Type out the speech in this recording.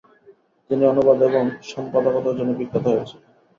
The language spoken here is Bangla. তিনি অনুবাদ এবং সম্পাদকতার জন্য বিখ্যাত হয়েছিলেন।